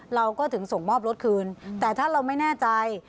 เราก็ถึงส่งมอบรถคืนแต่ถ้าเราไม่แน่ใจ